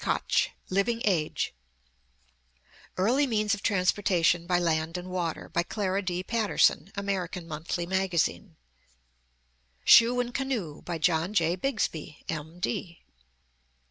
Koch, Living Age; Early Means of Transportation by Land and Water, by Clara D. Patterson, American Monthly Magazine; Shoe and Canoe, by John J. Bigs by, M. D.